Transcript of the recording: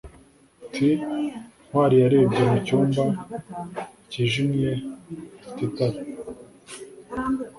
t ntwali yarebye mu cyumba cyijimye afite itara